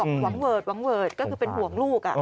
หวังเวิร์ดหวังเวิร์ดก็คือเป็นห่วงลูก